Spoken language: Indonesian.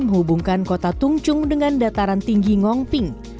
menghubungkan kota tung chung dengan dataran tinggi ngong ping